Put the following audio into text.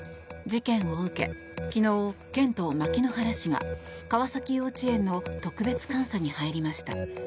事件を受け、昨日県と牧之原市が川崎幼稚園の特別監査に入りました。